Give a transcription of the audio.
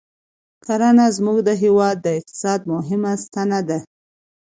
کرنه زموږ د هېواد د اقتصاد مهمه ستنه ده